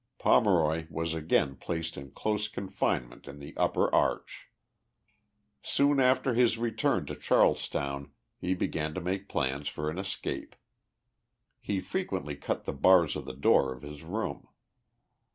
Pomeroy was again placed in close confinement in the upper arch. Soon after his return to Charlestown lie began to make plans for an escape. He frequently cut the bars of the door of his room.